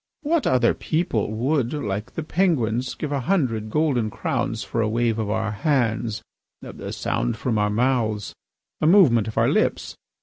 What other people would, like the Penguins, give a hundred golden crowns for a wave of our hands, a sound from our mouths, a movement of our lips?